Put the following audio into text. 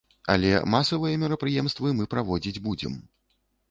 Але масавыя мерапрыемствы мы праводзіць будзем.